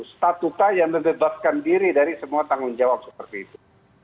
statuta yang membebaskan diri dari semua tanggung jawab seperti itu